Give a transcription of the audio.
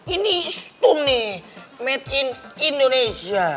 ini stum nih made in indonesia